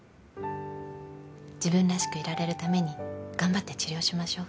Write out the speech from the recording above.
自分らしくいられるために頑張って治療しましょう。